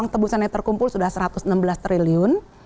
ketebusannya terkumpul sudah satu ratus enam belas triliun